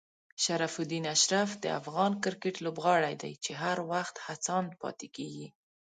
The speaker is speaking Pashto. شرف الدین اشرف د افغان کرکټ لوبغاړی دی چې هر وخت هڅاند پاتې کېږي.